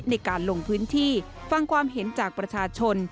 ในการลงพื้นที่ฟังความเห็นจากประชาชน